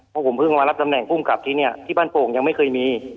เพราะผมเพิ่งมารับตำแหน่งภูมิกับที่เนี่ยที่บ้านโป่งยังไม่เคยมี